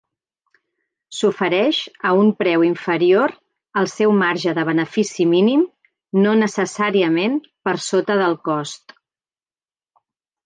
S'ofereix a un preu inferior al seu marge de benefici mínim, no necessàriament per sota del cost.